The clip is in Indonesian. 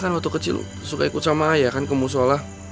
kan waktu kecil suka ikut sama ayah kan kemusola